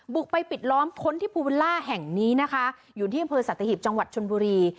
บุกไปปิดล้อมค้นที่ภูวิลล่าแห่งนี้นะคะอยู่ที่อำเภอสัตหิบจังหวัดชนบุรี